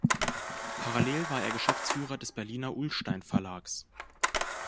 Parallel war er Geschäftsführer des Berliner Ullstein Verlags.